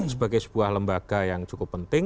sebagai sebuah lembaga yang cukup penting